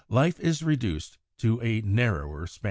100) life is reduced to a narrower span.